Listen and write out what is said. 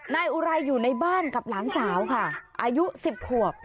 นายอุไรอยู่ในบ้านกับหลานสาวค่ะอายุ๑๐ขวบ